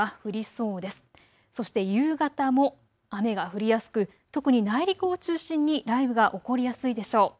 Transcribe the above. そして夕方も雨が降りやすく特に内陸を中心に雷雨が起こりやすいでしょう。